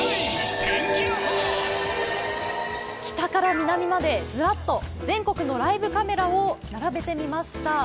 北から南までずらっと全国のライブカメラを並べてみました。